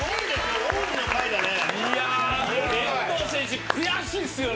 遠藤選手悔しいっすよね？